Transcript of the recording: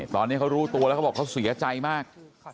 ตอนนี้เขารู้ตัวแล้วเขาบอกเขาเสียใจมาก